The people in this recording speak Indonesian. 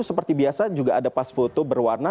seperti biasa juga ada pas foto berwarna